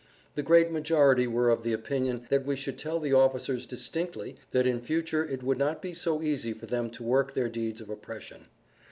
The great majority were of the opinion that we should tell the officers distinctly that in future it would not be so easy for them to work their deeds of oppression.